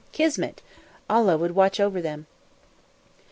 "Kismet! Allah would watch over them!"